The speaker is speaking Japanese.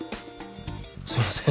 すいません。